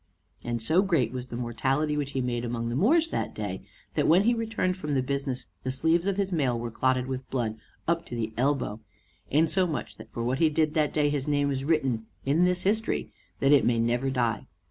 And so great was the mortality which he made among the Moors that day, that when he returned from the business the sleeves of his mail were clotted with blood, up to the elbow; insomuch that for what he did that day his name is written in this history, that it may never die.